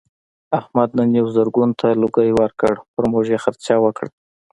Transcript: احمد نن یوه زرګون ته لوګی ورکړ په موږ یې خرڅه وکړله.